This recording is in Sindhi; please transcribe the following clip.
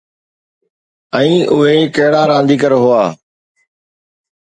۽ اهي ڪهڙا رانديگر هئا؟